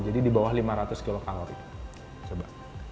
jadi di bawah lima ratus kilokalori coba